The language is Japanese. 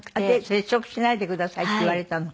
接触しないでくださいって言われたの？